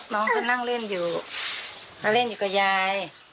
น้องคือนั่งเล่นอยู่มาเล่นอยู่กับยาย